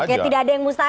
oke tidak ada yang mustahil